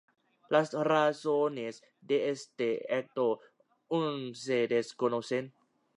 Las razones de este acto aún se desconocen.